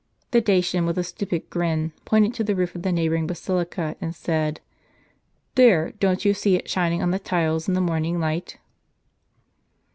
The Dacian, with a stupid grin, pointed to the roof of the neighboring basilica, and said :" There, don't you see it shin ing on the tiles, in the morning light?"